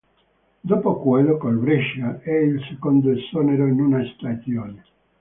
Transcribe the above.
Dopo quello col Brescia, è il secondo esonero in una stagione.